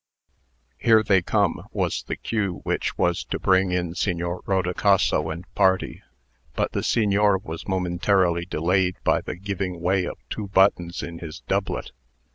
"Here they come," was the cue which was to bring in Signor Rodicaso and party; but the Signor was momentarily delayed by the giving way of two buttons in his doublet.